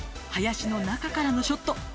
林の中からのショット